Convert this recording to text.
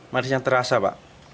manis yang terasa pak